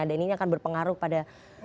dan ini akan berpengaruh pada keputusan